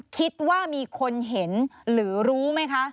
คิดว่ามีคนเห็นหรือรู้ไหมคะ